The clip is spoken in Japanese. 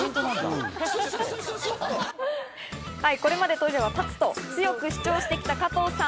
これまでトイレは立つと強く主張してきた加藤さん。